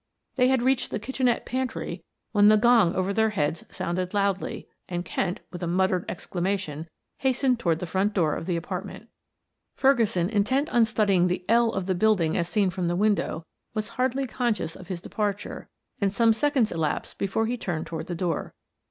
They had reached the kitchenette pantry when the gong over their heads sounded loudly, and Kent, with a muttered exclamation hastened toward the front door of the apartment. Ferguson, intent on studying the "L" of the building as seen from the window, was hardly conscious of his departure, and some seconds elapsed before he turned toward the door.